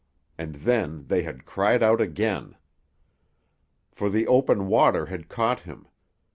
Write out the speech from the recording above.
And then they had cried out again. For the open water had caught him.